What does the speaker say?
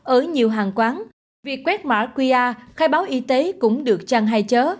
ở nhiều hàng quán việc quét mã qr khai báo y tế cũng được chăn hay chớ